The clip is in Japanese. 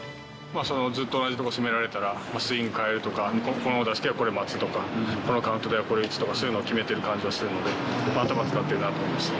ずっと同じところ攻められたら、スイング変えるとか、この打席はこれを待つとか、このカウントではこれ打つとか、そういうのを決めてる感じがするので、頭使っているなと思いました。